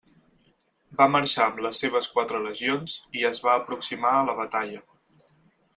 Va marxar amb les seves quatre legions i es va aproximar a la batalla.